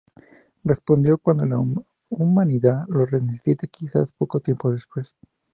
Respondió: "Cuándo la humanidad lo necesite, quizás poco tiempo antes.